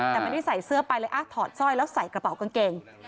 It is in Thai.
แต่ไม่ได้ใส่เสื้อไปเลยถอดสร้อยแล้วใส่กระเป๋ากางเกง